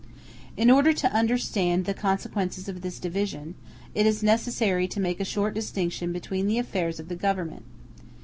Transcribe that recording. In order to understand the consequences of this division, it is necessary to make a short distinction between the affairs of the Government.